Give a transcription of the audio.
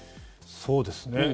そうですね。